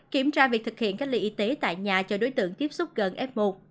kiểm tra việc thực hiện cách ly y tế tại nhà cho đối tượng tiếp xúc gần f một